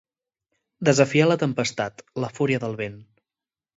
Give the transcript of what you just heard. Desafiar la tempestat, la fúria del vent.